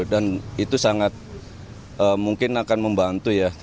dan itu sangat mungkin akan membantu ya